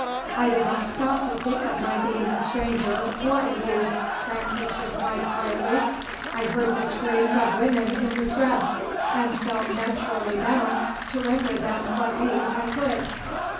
"I did not stop to think of my being a stranger, or a youth," Francis replied quietly. "I heard the screams of women in distress, and felt naturally bound to render them what aid I could."